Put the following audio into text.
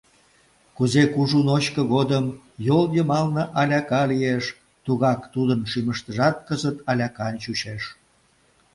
Кузе кужу ночко годым йол йымалне аляка лиеш, тугак тудын шӱмыштыжат кызыт алякан чучеш.